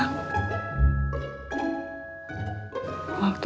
itu aku tau